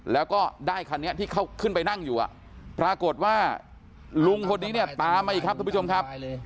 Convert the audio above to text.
แล้วก็ได้คันนี้ที่เขาขึ้นไปนั่งอยู่ปรากฏว่าลุงคนนี้เนี่ยตามมาอีกครับทุกผู้ชมครับ